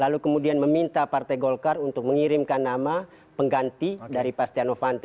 lalu kemudian meminta partai golkar untuk mengirimkan nama pengganti dari pasten novanto